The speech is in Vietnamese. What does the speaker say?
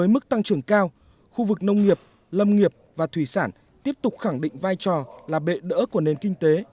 mức tăng trưởng cao khu vực nông nghiệp lâm nghiệp và thủy sản tiếp tục khẳng định vai trò là bệ đỡ của nền kinh tế